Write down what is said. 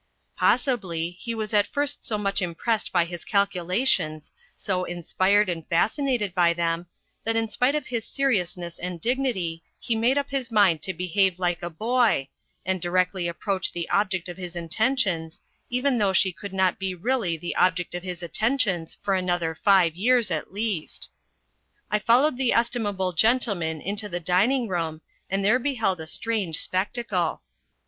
Possibly, he was at first so much impressed by his calculations, BO inspired and fascinated by them, that in spite of his sorious and dignity he made up his rabid to behave like a boy, A CHRISTMAS TREE AND A WEDDING 205 and directly approach the object of his attentions, even though she could not be really the object of his attentions for another five years at least. I followed the estimable gentleman into the dining room and there beheld a strange spectacle.